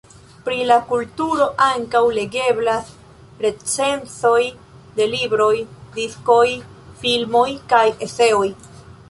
Pri la kulturo ankaŭ legeblas recenzoj de libroj, diskoj, filmoj, kaj eseoj.